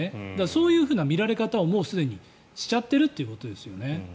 そういうふうな見られ方をもうすでにしちゃってるということですよね。